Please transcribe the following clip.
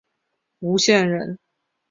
吴县人。